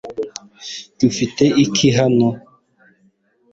dufite iki hano